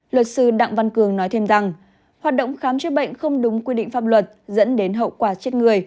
luật sư đặng văn cường nói thêm rằng hoạt động khám chữa bệnh không đúng quy định pháp luật dẫn đến hậu quả chết người